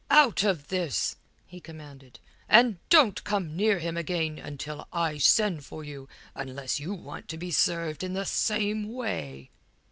"Out of this!" he commanded. "And don't come near him again until I send for you, unless you want to be served in the same way."